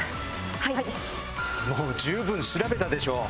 ・はい・・もう十分調べたでしょう・